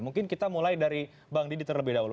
mungkin kita mulai dari bang didi terlebih dahulu